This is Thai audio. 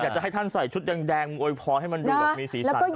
จะให้ท่านใส่ชุดแดงโวยพรให้มันดูแบบมีสีสัน